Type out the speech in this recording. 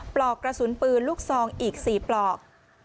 ปลอกกระสุนปืนลูกซองอีก๔ปลอก